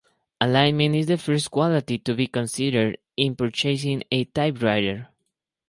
Alignment is the first quality to be considered in purchasing a typewriter.